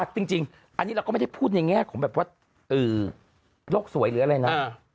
จริงอันนี้เราก็ไม่ได้พูดในแง่ของแบบว่าโลกสวยหรืออะไรนะ